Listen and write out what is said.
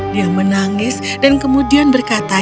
dia menangis dan kemudian berkata